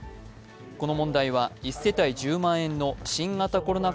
この問題は１世帯１０万円の新型コロナ